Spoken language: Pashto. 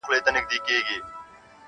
د ژوند معنا ګډوډه کيږي تل-